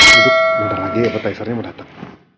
duduk bentar lagi appetizernya mau datang